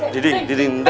jeding ding ding da